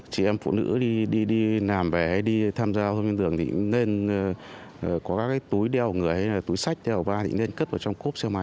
chị em phụ nữ đi làm về hay đi tham gia hôm nay đường thì nên có các túi đeo người hay túi sách đeo va thì nên cất vào trong